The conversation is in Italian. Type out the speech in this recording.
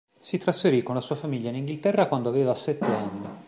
Si trasferì con la sua famiglia in Inghilterra quando aveva sette anni.